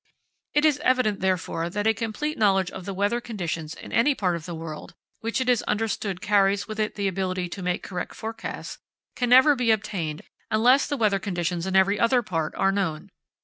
It is evident, therefore, that a complete knowledge of the weather conditions in any part of the world, which it is understood carries with it the ability to make correct forecasts, can never be obtained unless the weather conditions in every other part are known.